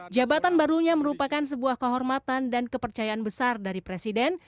jabatan barunya merupakan sebuah kehormatan dan kepercayaan besar dari presiden